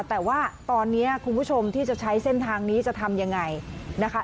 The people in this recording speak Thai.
แต่ว่าตอนนี้คุณผู้ชมที่จะใช้เส้นทางนี้จะทำยังไงนะคะ